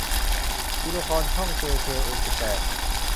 ดูละครช่องเจเคเอ็นสิบแปด